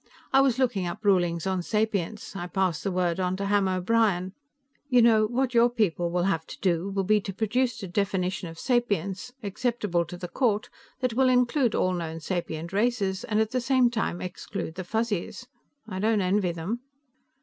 "I was looking up rulings on sapience; I passed the word on to Ham O'Brien. You know, what your people will have to do will be to produce a definition of sapience, acceptable to the court, that will include all known sapient races and at the same time exclude the Fuzzies. I don't envy them."